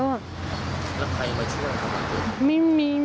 แล้วใครมาช่วย